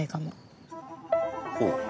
ほう。